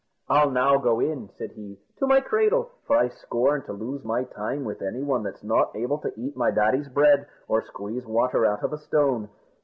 "I'll now go in," said he, "to my cradle; for I scorn to lose my time with any one that's not able to eat my daddy's bread, or squeeze water out of a stone.